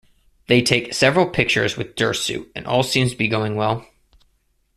They take several pictures with Dersu and all seems to be going well.